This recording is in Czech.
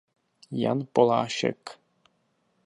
Jan Polášek.